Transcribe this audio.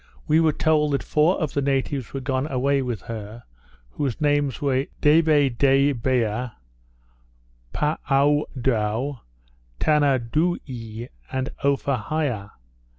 We were told that four of the natives were gone away with her, whose names were Debedebea, Paoodou, Tanadooee, and Opahiah.